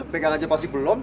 pegang aja pasti belum